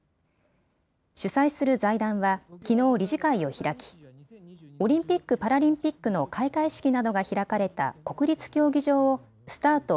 主催する財団はきのう理事会を開き、オリンピック・パラリンピックの開会式などが開かれた国立競技場をスタート